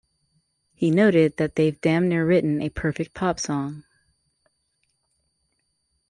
He noted that they've damn near written a perfect pop song.